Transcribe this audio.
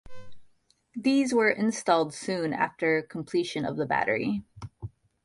These were installed soon after completion of the battery.